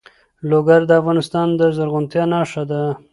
لوگر د افغانستان د زرغونتیا نښه ده.